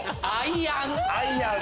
アイアン。